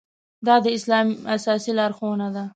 دا د اسلام اساسي لارښوونه ده.